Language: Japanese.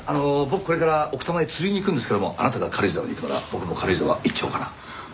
僕これから奥多摩へ釣りに行くんですけどもあなたが軽井沢に行くなら僕も軽井沢行っちゃおうかな。